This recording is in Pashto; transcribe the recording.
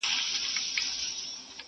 سم روان سو د خاوند د خوني خواته!.